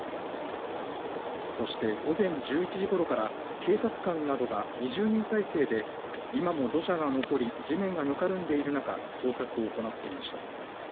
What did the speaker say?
そして、午前１１時ごろから警察官などが２０人態勢で今も土砂が残り地面がぬかるんでいる中捜索を行っていました。